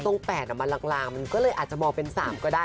ตรง๘มันลางมันก็เลยอาจจะมองเป็น๓ก็ได้